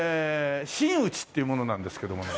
真打ちっていう者なんですけどもね。